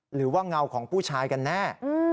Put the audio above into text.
หรือว่าเงาของผู้ชายกันแน่